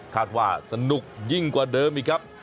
ว่าสนุกยิ่งกว่าเดิมอีกครับ